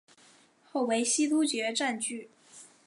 后为西突厥占据。